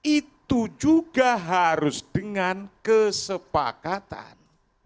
itu juga harus dengan kesepakatan